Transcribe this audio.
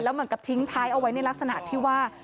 เหมือนกับทิ้งท้ายเอาไว้ในลักษณะที่ว่า